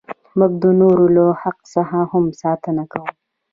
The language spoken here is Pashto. موږ د نورو له حق څخه هم ساتنه کوو.